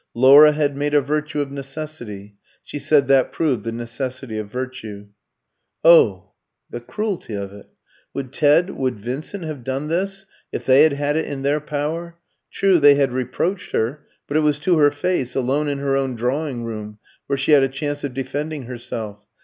"Laura had made a virtue of necessity. She said that proved the necessity of virtue." Oh, the cruelty of it! Would Ted, would Vincent, have done this if they had had it in their power? True, they had reproached her; but it was to her face, alone in her own drawing room, where she had a chance of defending herself.